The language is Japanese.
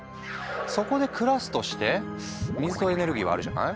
そこで暮らすとして水とエネルギーはあるじゃない。